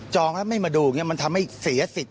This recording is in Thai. จองแล้วไม่มาดูมันทำให้เสียสิทธิ์